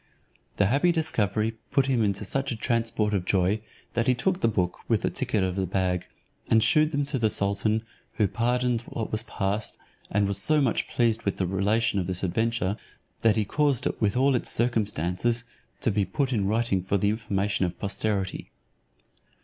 The happy discovery put him into such a transport of joy, that he took the book, with the ticket of the bag, and shewed them to the sultan, who pardoned what was past, and was so much pleased with the relation of this adventure, that he caused it with all its circumstances to be put in writing for the information of posterity.